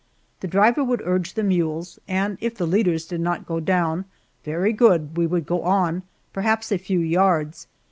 The driver would urge the mules, and if the leaders did not go down, very good we would go on, perhaps a few yards.